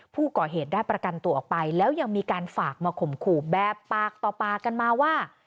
ผู้ก่อเหตุได้ประกันตัวออกไปแล้วยังมีการฝากมาข่มขู่แบบปากต่อปากกันมาว่า